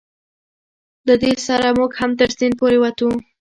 له دې سره موږ هم تر سیند پورې وتو.